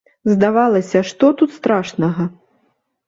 Здавалася, што тут страшнага?